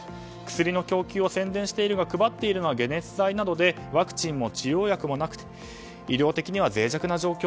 薬の供給を宣伝しているが配っているのは解熱剤などでワクチンも医療薬もなくて医療的には脆弱な状況。